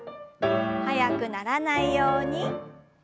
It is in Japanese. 速くならないようにチョキ。